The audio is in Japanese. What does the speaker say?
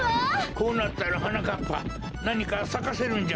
こうなったらはなかっぱなにかさかせるんじゃ。